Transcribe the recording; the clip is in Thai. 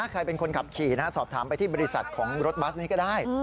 ใครเป็นคนขับขี่สอบถามไปที่บริษัทของรถบัสนี้ก็ได้